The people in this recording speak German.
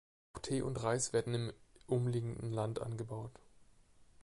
Auch Tee und Reis werden im umliegenden Land angebaut.